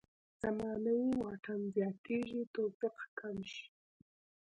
زماني واټن زیاتېږي توفیق کم شي.